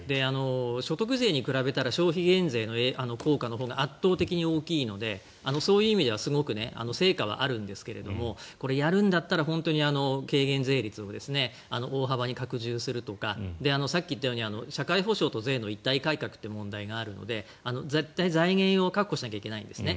所得税に比べたら消費減税の効果のほうが圧倒的に大きいのでそういう意味ではすごく成果はあるんですがこれやるんだったら本当に軽減税率を大幅に拡充するとかさっき言ったように社会保障と税の一体改革という問題があるので財源を確保しなきゃいけないんですね。